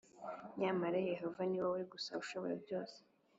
Nyamara Yehova ni wowe gusa ushobora byose